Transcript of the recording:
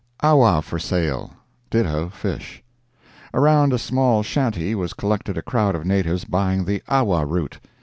AWA FOR SALE—DITTO FISH Around a small shanty was collected a crowd of natives buying the awa root.